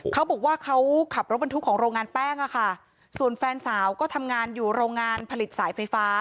เขาบอกว่าเขาขับรถบรรทุกของโรงงานแป้งอะค่ะส่วนแฟนสาวก็ทำงานอยู่โรงงานผลิตสายไฟฟ้า